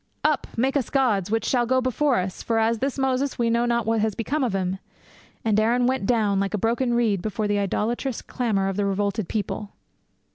"Up, make us gods, which shall go before us; for, as for this Moses, we know not what is become of him." And Aaron went down like a broken reed before the idolatrous clamour of the revolted people.'